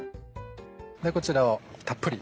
こちらをたっぷり。